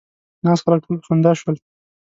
ناست خلک ټول په خندا شول.